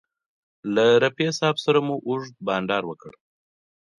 له رفیع صاحب سره مو اوږد بنډار وکړ.